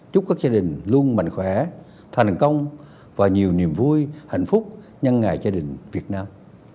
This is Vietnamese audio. chúc các gia đình luôn mạnh khỏe thành công và nhiều niềm vui hạnh phúc nhân ngày gia đình việt nam